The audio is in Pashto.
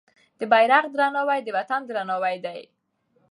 د بیرغ درناوی د وطن درناوی دی.